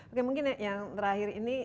oke mungkin yang terakhir ini